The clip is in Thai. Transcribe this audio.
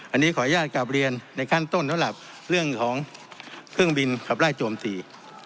อันนี้ขออนุญาตกลับเรียนในขั้นต้นสำหรับเรื่องของเครื่องบินขับไล่โจมตี